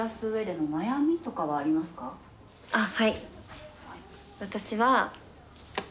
あっはい。